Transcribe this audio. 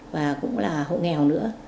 và cũng là hộ nghèo nữa